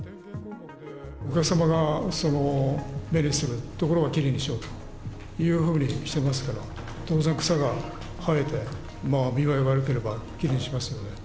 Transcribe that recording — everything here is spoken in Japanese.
お客様が目にする所はきれいにしようというふうにしてますから、当然、草が生えて、見栄えが悪ければきれいにしますよね。